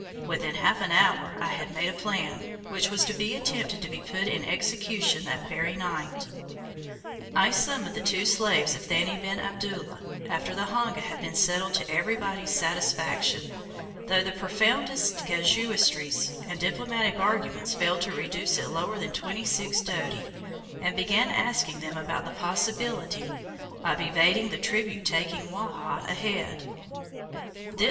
Within half an hour, I had made a plan, which was to be attempted to be put in execution that very night. I summoned the two slaves of Thani bin Abdullah, after the honga had been settled to everybody's satisfaction though the profoundest casuistries and diplomatic arguments failed to reduce it lower than twenty six doti and began asking them about the possibility of evading the tribute taking Wahha ahead.